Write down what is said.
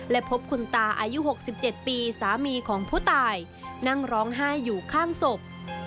และพบคุณตาอายุ๖๗ปีสามีของผู้ตายนั่งร้องไห้อยู่ข้างศพ